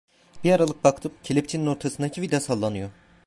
Bir aralık baktım, kelepçenin ortasındaki vida sallanıyor.